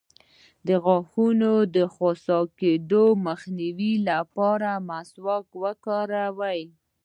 د غاښونو د خوسا کیدو مخنیوي لپاره مسواک وکاروئ